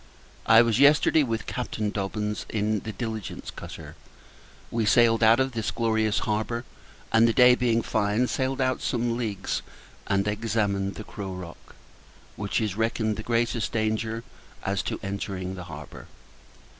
I was yesterday with Captain Dobbins, in the Diligence cutter. We sailed out of this glorious harbour; and, the day being fine, sailed out some leagues, and examined the Crow Rock, which is reckoned the greatest danger as to entering the harbour.